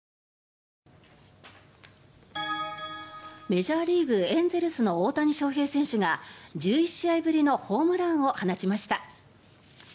メジャーリーグ、エンゼルスの大谷翔平選手が１１試合ぶりのホームランを放ちました。